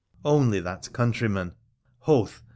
Only that countryman ! Hoth